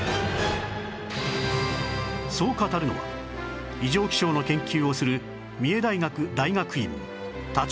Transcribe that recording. そう語るのは異常気象の研究をする三重大学大学院の立花先生